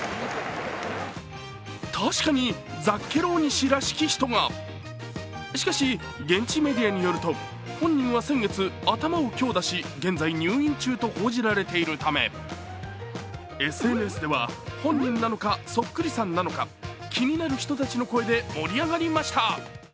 確かに、ザッケローニ氏らしき人がしかし、現地メディアによると本人は先月、頭を強打し現在、入院中と報じられているためＳＮＳでは、気になる人たちの声で盛り上がりました。